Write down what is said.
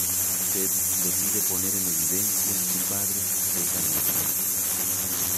Ted decide poner en evidencia su padre esa noche.